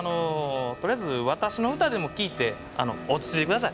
とりあえず私の歌でも聴いて落ち着いてください。